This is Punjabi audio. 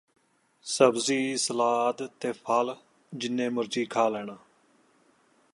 ਸਬਜ਼ੀ ਸਲਾਦ ਤੇ ਫਲ ਜਿੰਨੇ ਮਰਜ਼ੀ ਖਾ ਲੈਣ